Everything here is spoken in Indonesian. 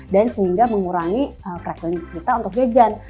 dan sehingga mengurangi frekuensi kita untuk jajan